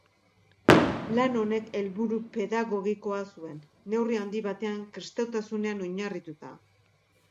Lan honek helburu pedagogikoa zuen, neurri handi batean kristautasunean oinarrituta.